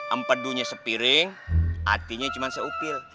ampedunya sepiring hatinya cuma seupil